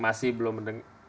masih belum mendengar